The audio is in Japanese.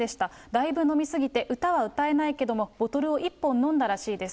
だいぶ飲み過ぎて、歌は歌えないけども、ボトルを１本飲んだらしいです。